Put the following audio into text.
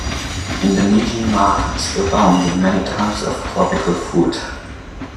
Indonesian markets abound with many types of tropical fruit.